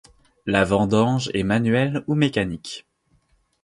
La vendange est manuelle ou mécanique.